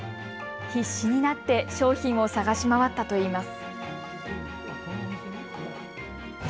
必死になって商品を探し回ったと言います。